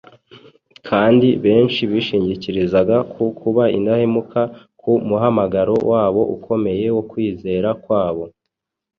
kandi benshi bishingikirizaga ku kuba indahemuka ku muhamagaro wabo ukomeye wo kwizera kwabo.